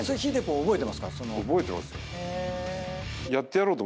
覚えてますよ。